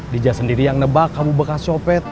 dija sendiri yang nebak kamu bekas copet